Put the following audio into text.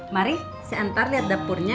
mari si antar liat dapurnya